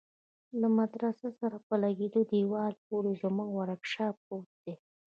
له مدرسه سره په لگېدلي دېوال پورې زموږ ورکشاپ پروت دى.